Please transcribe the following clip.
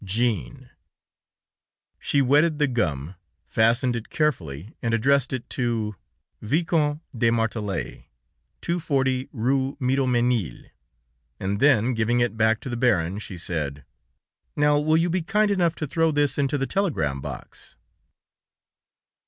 "JEANNE." She wetted the gum, fastened it carefully, and addressed it to: "Viscount de Martelet, 240 Rue Miromesnil," and then, giving it back to the Baron, she said: "Now, will you be kind enough to throw this into the telegram box."